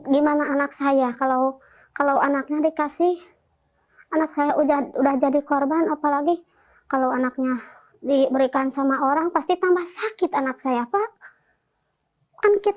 gimana anak saya kalau anaknya dikasih anak saya udah jadi korban apalagi kalau anaknya diberikan sama orang pasti tambah sakit anak saya pak